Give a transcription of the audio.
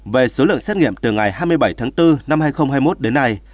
về số lượng xét nghiệm từ ngày hai mươi bảy tháng bốn năm hai nghìn hai mươi một đến nay